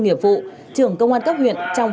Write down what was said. nghiệp vụ trưởng công an cấp huyện trong